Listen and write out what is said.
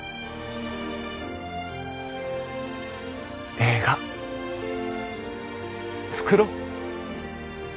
映画作ろう。